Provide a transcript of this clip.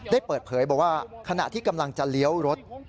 ได้เปิดเผยบอกว่าขณะที่กำลังจะเลี้ยวรถ